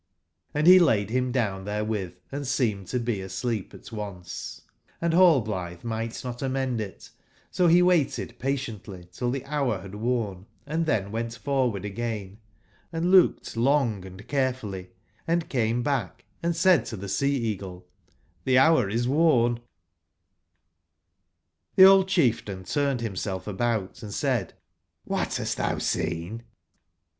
Hnd be laid bim down tberewitb and seemed to be asleep at once. Hnd Rallblitbe migbt not amend it; so be waited patiently till tbe bour bad worn, and tben went forward again, & looked long 59 and carefully, & came backandeaidtotbcSea/cagle: ''TTbeh our \e worn/* ^^^D6 old chieftain turned himself about and I^M said: ''CKbat bast tbouseen